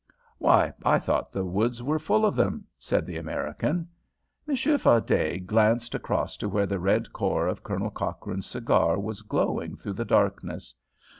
"Why, I thought the woods were full of them," said the American. Monsieur Fardet glanced across to where the red core of Colonel Cochrane's cigar was glowing through the darkness.